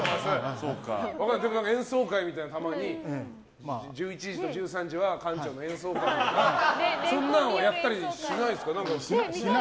でも演奏会とかをたまに１１時と１３時は館長の演奏会とかそんなのはやったりしないんですか？